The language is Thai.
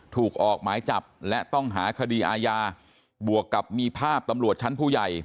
ถูกออกหมายจับและต้องหาคดีอาญาบวกกับมีภาพตำรวจชั้นผู้ใหญ่